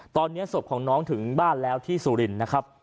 ตอนนี้ศพของน้องถึงบ้านแล้วที่สุรินทร์นะครับ